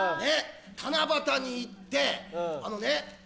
七夕にいってあのね。